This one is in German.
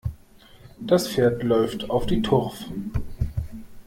Das Pferd läuft auf die Turf.